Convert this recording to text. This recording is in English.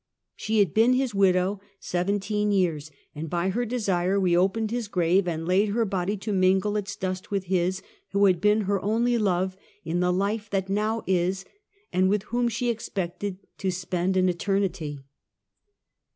She had been his widow seventeen years, and by her desire we opened his grave and laid her body to mingle its dust with his, who had been her only love in the life that now is, and with whom she expected to spend an eternity.